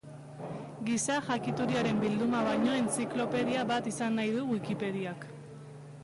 Giza jakituriaren bilduma baino, entziklopedia bat izan nahi du Wikipediak.